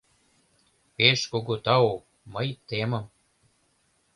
Пеш кугу тау, мый темым.